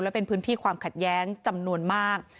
และเป็นพื้นที่ความขัดแย้งจำนวนมาก